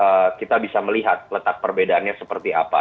baru kemudian kita bisa melihat letak perbedaannya seperti apa